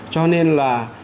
cho nên là